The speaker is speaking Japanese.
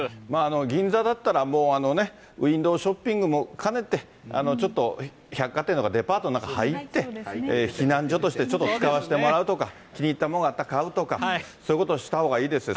銀座だったらもうウィンドーショッピングも兼ねて、ちょっと百貨店とかデパートの中に入って、避難所としてちょっと使わせてもらうとか、気に入ったものがあったら買うとか、そういうことをしたほうがいいですよ。